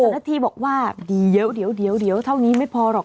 แต่ก็ที่บอกว่าเดี๋ยวเท่านี้ไม่พอแหละ